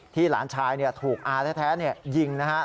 หลานชายถูกอาแท้ยิงนะครับ